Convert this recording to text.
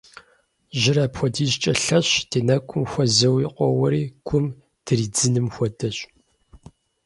Жьыр апхуэдизкӏэ лъэщщ, ди нэкӏум хуэзэуи къоуэри гум дыридзыным хуэдэщ.